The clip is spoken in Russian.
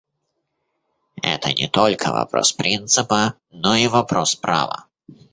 Это не только вопрос принципа, но и вопрос права.